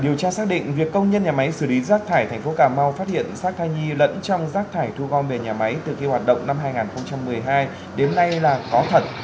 điều tra xác định việc công nhân nhà máy xử lý rác thải thành phố cà mau phát hiện xác thai nhi lẫn trong rác thải thu gom về nhà máy từ khi hoạt động năm hai nghìn một mươi hai đến nay là có thật